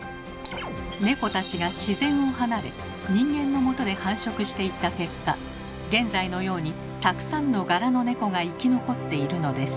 猫たちが自然を離れ人間のもとで繁殖していった結果現在のようにたくさんの柄の猫が生き残っているのです。